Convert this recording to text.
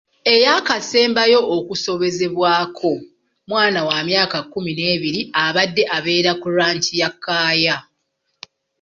Ayakasembayo okusobezebwako mwana wa myaka kumi n'ebiri abadde abeera ku ranch ya Kaaya.